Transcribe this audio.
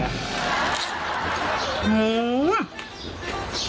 โอ้โห